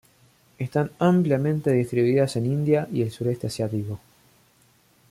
Están ampliamente distribuidas en India y el Sureste Asiático.